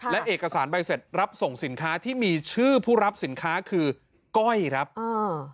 และเอกสารใบเสร็จรับส่งสินค้าที่มีชื่อผู้รับสินค้าคือก้อยครับอ่า